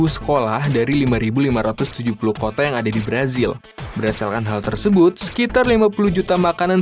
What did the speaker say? sekolah dari lima ribu lima ratus tujuh puluh kota yang ada di brazil berdasarkan hal tersebut sekitar lima puluh juta makanan